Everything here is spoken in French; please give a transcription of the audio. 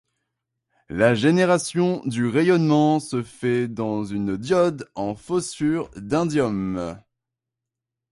La génération du rayonnement se fait dans une diode en phosphure d'indium.